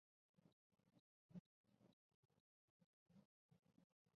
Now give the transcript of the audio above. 在现代它是极罕见的姓氏。